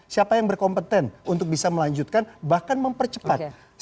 siapa yang berkompeten untuk bisa melanjutkan bahkan mempercepat